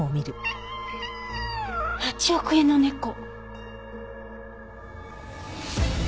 ８億円の猫。